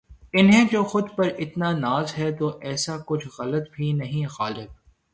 انہیں جو خود پر اتنا ناز ہے تو ایسا کچھ غلط بھی نہیں غالب